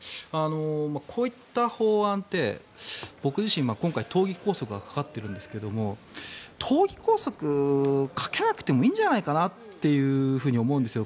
こういった法案って僕自身今回、党議拘束がかかってるんですけども党議拘束かけなくてもいいんじゃないかなというふうに思うんですよ。